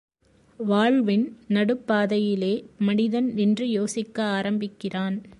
வாழ்வின் நடுப் பாதையிலே மனிதன் நின்று யோசிக்க ஆரம்பிக்கிறான்.